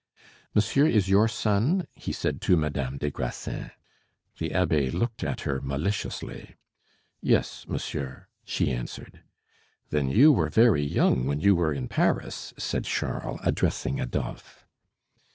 "Monsieur is your son?" he said to Madame des Grassins. The abbe looked at her maliciously. "Yes, monsieur," she answered. "Then you were very young when you were in Paris?" said Charles, addressing Adolphe.